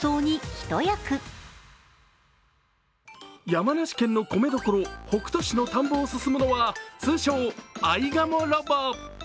山梨県の米どころ北杜市の田んぼを進むのは通称・アイガモロボ。